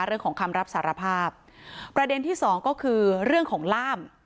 คำรับสารภาพประเด็นที่สองก็คือเรื่องของล่าม